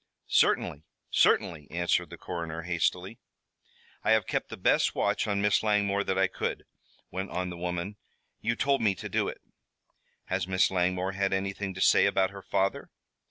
"Certainly certainly," answered the coroner hastily. "I have kept the best watch on Miss Langmore that I could," went on the woman. "You told me to do it." "Has Miss Langmore had anything to say about her father?"